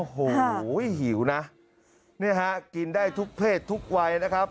โอ้โหหิวนะเนี่ยฮะกินได้ทุกเพศทุกวัยนะครับ